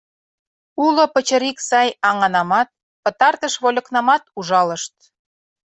Уло пычырик сай аҥанамат, пытартыш вольыкнамат ужалышт.